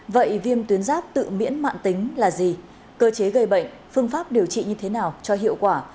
vậy viêm tuyến giáp tự miễn mạn tính là gì cơ chế gây bệnh phương pháp điều trị như thế nào cho hiệu quả